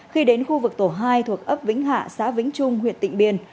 khi đến khu vực tổ hai thuộc ấp vĩnh hạ xã vĩnh trung huyện tịnh biên